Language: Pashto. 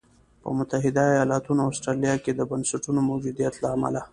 په متحده ایالتونو او اسټرالیا کې د بنسټونو موجودیت له امله.